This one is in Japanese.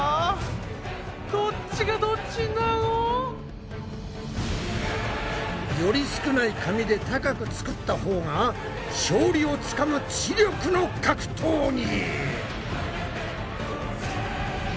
どっちがどっちなの？より少ない紙で高く作ったほうが勝利をつかむ知力の格闘技！